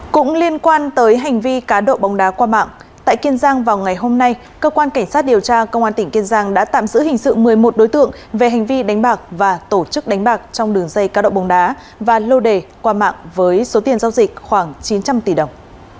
cũng liên quan tới hành vi cá độ bóng đá qua mạng tại kiên giang vào ngày hôm nay cơ quan cảnh sát điều tra công an tỉnh kiên giang đã tạm giữ hình sự một mươi một đối tượng về hành vi đánh bạc và tổ chức đánh bạc trong đường dây cá độ bóng đá và lô đề qua mạng với số tiền giao dịch khoảng chín trăm linh tỷ đồng